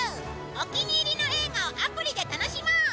お気に入りの映画をアプリで楽しもう！